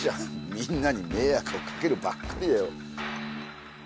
みんなに迷惑を掛けるばっかりで。